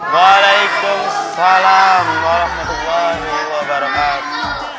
waalaikumsalam warahmatullahi wabarakatuh